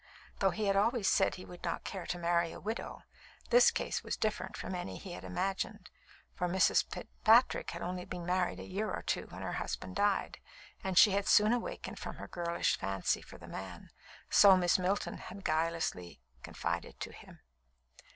Though he had always said he would not care to marry a widow, this case was different from any that he had imagined, for Mrs. Fitzpatrick had only been married a year or two when her husband died, and she had soon awakened from her girlish fancy for the man so Miss Milton had guilelessly confided to him.